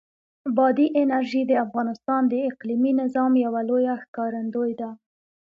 بادي انرژي د افغانستان د اقلیمي نظام یوه لویه ښکارندوی ده.